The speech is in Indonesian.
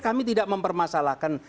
kami tidak mempermasalahkan